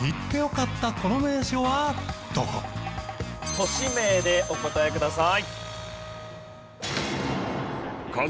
都市名でお答えください。